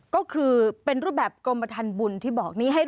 ก็คือเป็นรูปแบบกรมฐานบุญที่บอกนี้